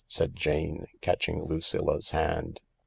said Jane, catching Lucilla 's hand.